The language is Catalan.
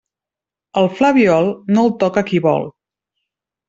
El flabiol, no el toca qui vol.